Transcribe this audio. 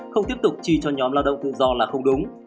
không tiếp tục chi cho nhóm lao động tự do là không đúng